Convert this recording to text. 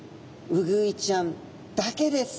ウグイちゃんだけです。